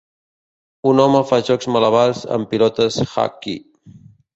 Un home fa jocs malabars amb pilotes Hacky.